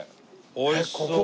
おいしそう。